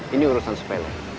ini urusan sepele